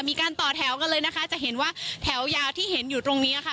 มีการต่อแถวกันเลยนะคะจะเห็นว่าแถวยาวที่เห็นอยู่ตรงนี้ค่ะ